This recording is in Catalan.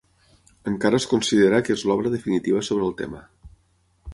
Encara es considera que és l'obra definitiva sobre el tema.